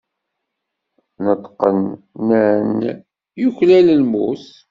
Neṭqen, nnan: Yuklal lmut.